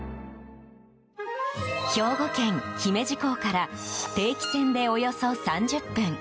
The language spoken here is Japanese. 兵庫県姫路港から定期船でおよそ３０分。